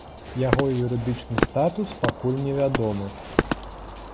Яго юрыдычны статус пакуль не вядомы.